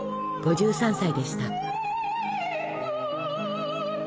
５３歳でした。